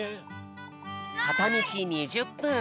かたみち２０ぷん。